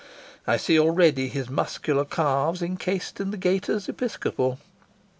I see already his muscular calves encased in the gaiters episcopal.